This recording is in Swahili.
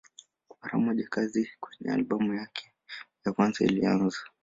Mara moja kazi kwenye albamu yake ya kwanza ilianza.